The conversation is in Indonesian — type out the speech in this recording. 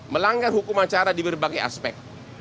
melanggar hukuman cara di berbagai aspek